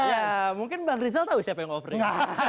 ya mungkin bang rizal tahu siapa yang offering